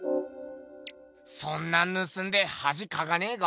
そんなんぬすんではじかかねぇか？